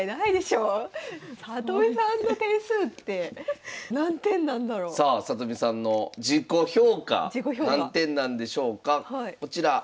里見さんの点数って何点なんだろう？さあ里見さんの自己評価何点なんでしょうかこちら。